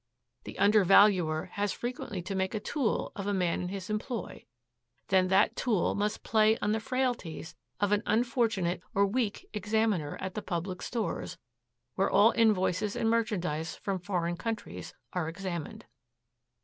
The undervaluer has frequently to make a tool of a man in his employ. Then that tool must play on the frailties of an unfortunate or weak examiner at the Public Stores where all invoices and merchandise from foreign countries are examined."